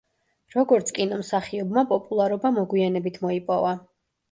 როგორც კინომსახიობმა პოპულარობა მოგვიანებით მოიპოვა.